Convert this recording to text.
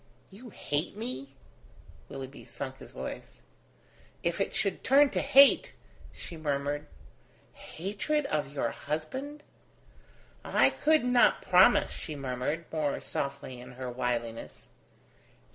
"You hate me?" Willoughby sunk his voice. "If it should turn to hate!" she murmured. "Hatred of your husband?" "I could not promise," she murmured, more softly in her wiliness.